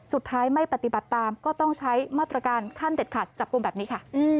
สุดท้ายไม่ปฏิบัติตามก็ต้องใช้มาตรการขั้นเด็ดขาดจับกลุ่มแบบนี้ค่ะ